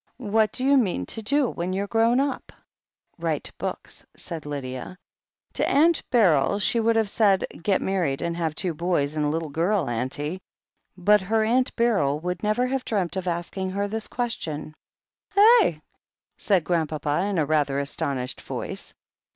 What do you mean to do when you're grown up?" "Write books," said Lydia. To Aunt Beryl she would have said, "Get married and haye two boys and a little girl, auntie" — ^but her Aunt Beryl would never have dreamt of asking her this question. "Heigh?" said Grandpapa, in a rather astonished voice.